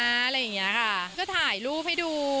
อะไรเนี่ยค่ะก็ถ่ายรูปให้ดู